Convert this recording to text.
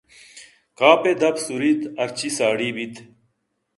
کاف ءِ دپ سُر یت ہرچی ساڑی بیت